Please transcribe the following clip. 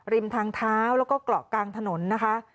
ริมทางเท้าแล้วก็เกาะกลางถนนนะคะ